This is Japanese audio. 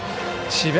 智弁